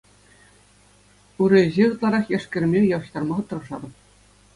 Ырӑ ӗҫе ытларах яш-кӗрӗме явӑҫтарма тӑрӑшатӑп.